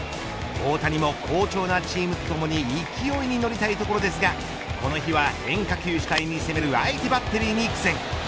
大谷も好調なチームとともに勢いにのりたいところですがこの日は変化球を主体に攻める相手バッテリーに苦戦。